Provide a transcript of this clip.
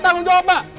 tanggung jawab mbak